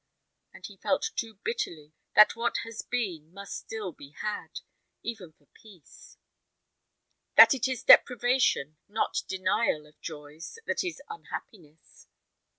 And he felt too bitterly that what has been must still be had, even for peace: that it is deprivation, not denial of joys, that is unhappiness.